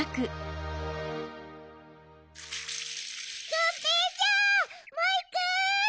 がんぺーちゃんモイくん！